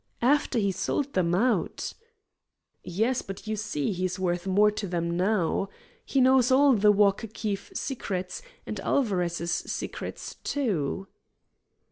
"After he sold them out?" "Yes, but you see he's worth more to them now. He knows all the Walker Keefe secrets and Alvarez's secrets, too."